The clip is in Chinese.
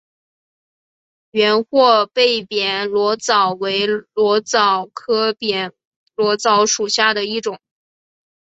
圆货贝扁裸藻为裸藻科扁裸藻属下的一个种。